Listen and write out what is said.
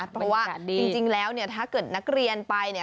เพราะว่าจริงแล้วเนี่ยถ้าเกิดนักเรียนไปเนี่ย